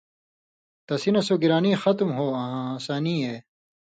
تسی نہ سو گِرانی ختُم ہو آں ہَسانی اے